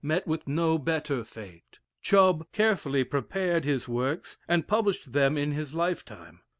met with no better fate. Chubb carefully prepared his works, and published them in his lifetime.